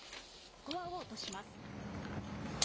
スコアを落とします。